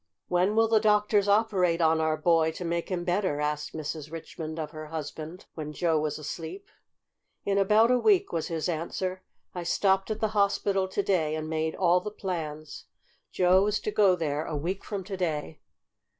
"When will the doctors operate on our boy, to make him better?" asked Mrs. Richmond of her husband, when Joe was asleep. "In about a week," was his answer. "I stopped at the hospital to day, and made all the plans. Joe is to go there a week from to day."